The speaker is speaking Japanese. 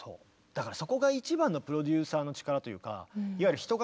だからそこが一番のプロデューサーの力というか。